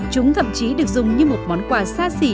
chúng thậm chí được dùng như một món quà xa xỉ